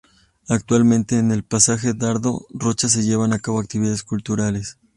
Actualmente, en el Pasaje Dardo Rocha se llevan a cabo actividades culturales.